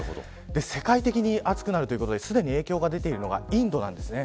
世界的に暑くなるということですでに影響が出ているのがインドです。